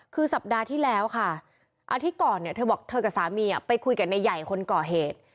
คือสัปดาห์ที่แล้วค่ะอาทิตย์ก่อนเนี่ยเธอบอกเธอกับสามีไปคุยกับนายใหญ่คนก่อเหตุ